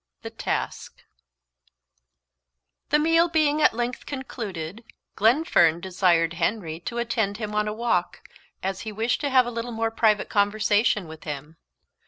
The Task THE meal being at length concluded, Glenfern desired Henry to attend him on a walk, as he wished to have a little more private conversation with him.